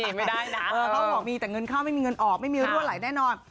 ไม่ได้นะเขาบอกมีแต่เงินเข้าไม่มีเงินออกไม่มีรั่วไหลแน่นอน